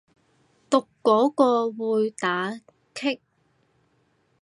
讀嗰個會打棘